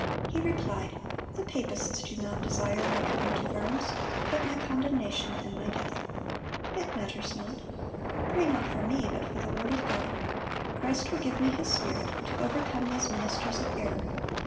He replied: "The papists do not desire my coming to Worms, but my condemnation and my death. It matters not. Pray not for me, but for the word of God.... Christ will give me His Spirit to overcome these ministers of error.